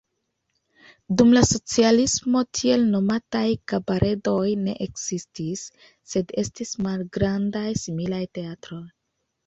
Dum la socialismo tiel nomataj kabaredoj ne ekzistis, sed estis malgrandaj similaj teatroj.